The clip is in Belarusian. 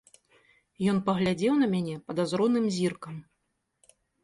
Ён паглядзеў на мяне падазроным зіркам.